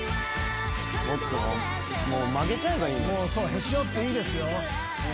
へし折っていいですよ。